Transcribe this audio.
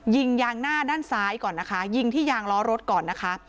ยิงยางหน้าด้านซ้ายก่อนนะคะยิงที่ยางล้อรถก่อนนะคะ